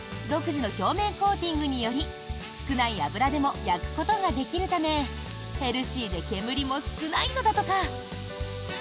独自の表面コーティングにより少ない油でも焼くことができるためヘルシーで煙も少ないのだとか。